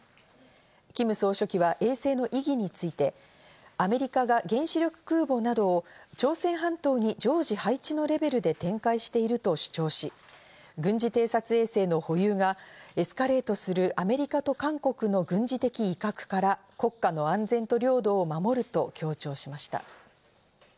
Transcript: キム総書記は衛星の意義について、アメリカが原子力空母などを朝鮮半島に常時配置のレベルで展開していると主張し、軍事偵察衛星の保有がエスカレートするアメリカと韓国の軍事的威嚇から国家の安全と領土を守ると強調しました。